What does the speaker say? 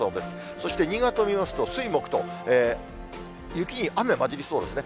そして新潟を見ますと、水、木と、雪に雨、交じりそうですね。